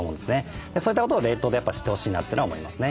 そういったことを冷凍でやっぱ知ってほしいなっていうのは思いますね。